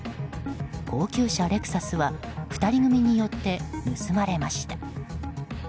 高級車レクサスは２人組によって盗まれました。